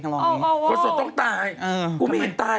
โอ้โฮเดี๋ยวนางว่าคนโสดต้องตาย